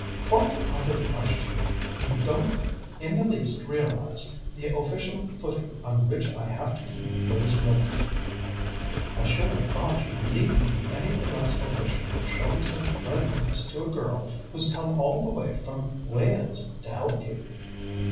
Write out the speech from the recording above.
"Quite out of the question. You don't in the least realize the official footing on which I have to keep those women." "I should have thought you needn't be any the less official for showing some friendliness to a girl who's come all the way from Wales to help you."